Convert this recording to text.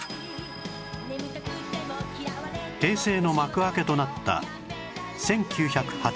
平成の幕開けとなった１９８９年